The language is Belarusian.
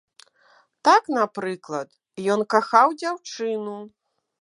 Так, напрыклад, ён кахаў дзяўчыну.